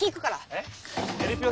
えっ？